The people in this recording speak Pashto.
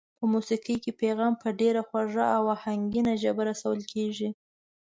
په موسېقۍ کې پیغام په ډېره خوږه او آهنګینه ژبه رسول کېږي.